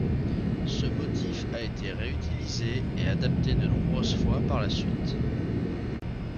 Ce motif a été réutilisé et adapté de nombreuses fois par la suite.